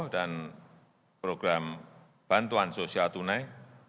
dan program bantuan sosial tunai